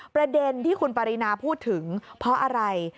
ประเด็นที่คุณปรินาพูดถึงเพราะอะไร